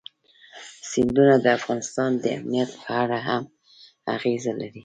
سیندونه د افغانستان د امنیت په اړه هم اغېز لري.